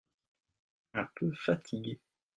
Un peu fatigué.